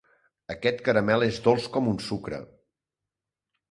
Aquest caramel és dolç com un sucre.